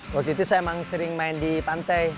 waktu itu saya emang sering main di pantai